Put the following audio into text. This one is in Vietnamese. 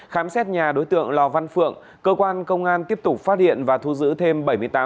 khám xét nhà đối tượng lò văn phượng cơ quan công an tiếp tục phát hiện và thu giữ thêm